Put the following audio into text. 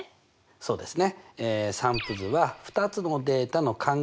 そうですね。